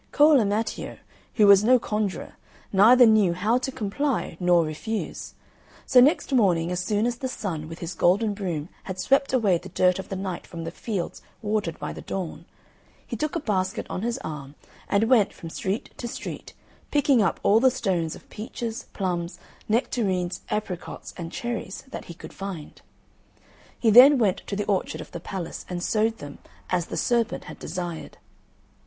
Cola Mateo, who was no conjurer, neither knew how to comply nor refuse; so next morning, as soon as the Sun with his golden broom had swept away the dirt of the Night from the fields watered by the dawn, he took a basket on his arm and went from street to street, picking up all the stones of peaches, plums, nectarines, apricots, and cherries that he could find. He then went to the orchard of the palace and sowed them, as the serpent had desired.